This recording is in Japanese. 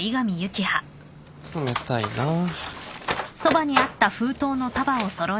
冷たいなあ。